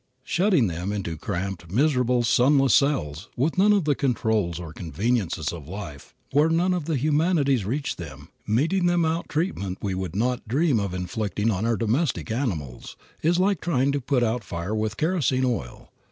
Shutting them into cramped, miserable, sunless cells, with none of the comforts or conveniences of life, where none of the humanities reach them; meting them out treatment we would not dream of inflicting on our domestic animals, is like trying to put out fire with kerosene oil.